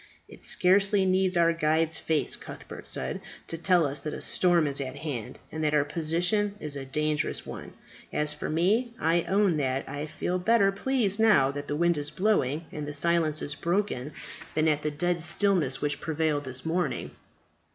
"It scarcely needs our guide's face," Cuthbert said, "to tell us that a storm is at hand, and that our position is a dangerous one. As for me, I own that I feel better pleased now that the wind is blowing, and the silence is broken, than at the dead stillness which prevailed this morning.